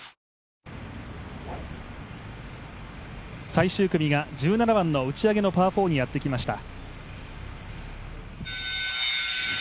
最終組が１７番の打ち上げのパー４にやってきました。